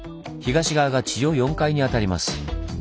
東側が地上４階にあたります。